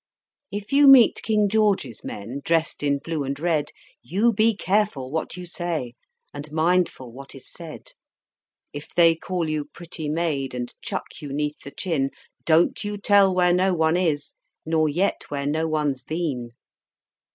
If you meet King George's men, dressed in blue and red, You be carefull what you say, and mindful what is said. If they call you "pretty maid," and chuck you 'neath the chin, Don't you tell where no one is, nor yet where no one's been!